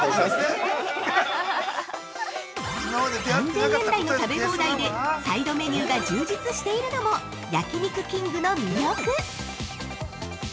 ◆３０００円台の食べ放題でサイドメニューが充実しているのも焼肉きんぐの魅力。